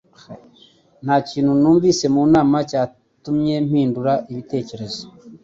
Nta kintu numvise mu nama cyatumye mpindura ibitekerezo